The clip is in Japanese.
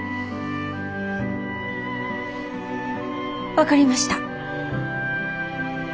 分かりました。